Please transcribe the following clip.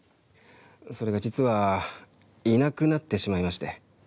それが実はいなくなってしまいまして。